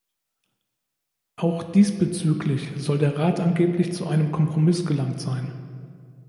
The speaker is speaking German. Auch diesbezüglich soll der Rat angeblich zu einem Kompromiss gelangt sein.